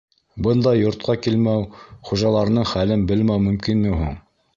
Бындай йортҡа килмәү, хужаларының хәлен белмәү мөмкинме һуң?